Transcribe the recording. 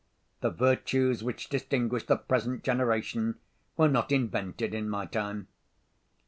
the virtues which distinguish the present generation were not invented in my time.